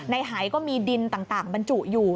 หายก็มีดินต่างบรรจุอยู่